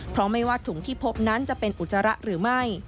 เพราะไม่ว่าถุงที่พบนั้นจะเป็นอุจจาระหรือไม่